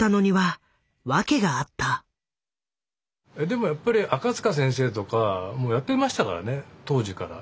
でもやっぱり赤塚先生とかもやってましたからね当時から。